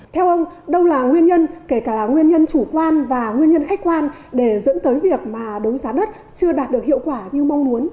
theo ông đâu là nguyên nhân kể cả là nguyên nhân chủ quan và nguyên nhân khách quan để dẫn tới việc mà đấu giá đất chưa đạt được hiệu quả như mong muốn